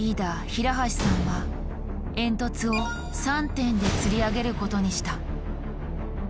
平橋さんは煙突を３点でつり上げることにした。